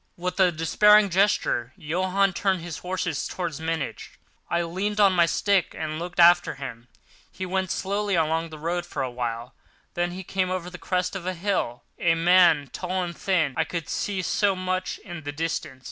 With a despairing gesture, Johann turned his horses towards Munich. I leaned on my stick and looked after him. He went slowly along the road for a while: then there came over the crest of the hill a man tall and thin. I could see so much in the distance.